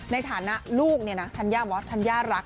ในฐานะลูกเนี่ยทัญญาวอัศน์ทัญญารัก